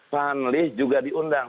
panli juga diundang